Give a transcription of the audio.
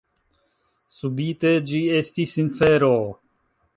Subite ĝi estis infero.